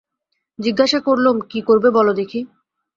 জিজ্ঞাসা করলুম, কী করবে বলো দেখি।